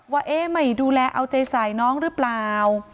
ว่าเอ๊ะไม่ดูแลเอาใจใส่น้องหรือเปล่า